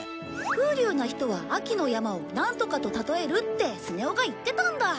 風流な人は秋の山をなんとかと例えるってスネ夫が言ってたんだ。